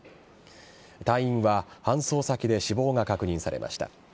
隊員は搬送先で死亡が確認されました。